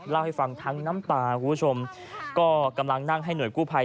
เล่าให้ฟังทั้งน้ำตาคุณผู้ชมก็กำลังนั่งให้หน่วยกู้ภัย